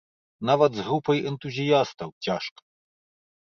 Нават з групай энтузіястаў цяжка!